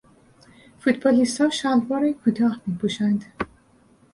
فوتبالیستها شلوار کوتاه میپوشند.